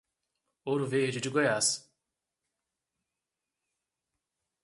Ouro Verde de Goiás